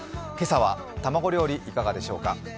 今朝は、卵料理いかがでしょうか。